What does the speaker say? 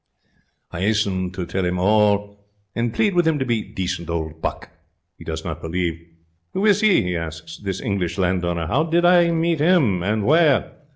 I 'asten to tell him all, and plead with him to be decent old buck. He does not believe. Who is he? he asks. This English landowner? How did I meet him? And where?